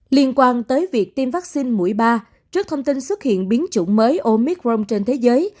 liên quan tới việc tiêm vaccine mũi ba trước thông tin xuất hiện biến chủng mới omicron trên thế giới